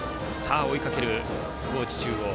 追いかける高知中央。